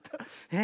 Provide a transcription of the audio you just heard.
え。